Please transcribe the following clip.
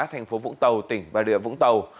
thành phố vũng tàu tỉnh bà địa vũng tàu